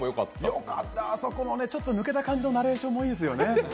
よかった、あそこもちょっと抜けた感じのナレーションがいいですよね。